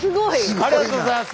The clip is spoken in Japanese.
ありがとうございます！